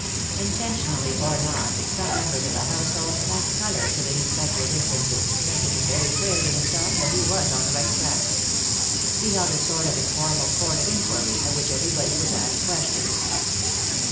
Intentionally or not, some members of the house hold lent colour to the inspector's inferences, making it very clear to himself that he was on the right track. He held a sort of informal court of inquiry, at which everybody was asked questions.